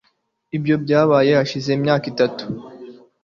ibyo byabaye hashize imyaka itatu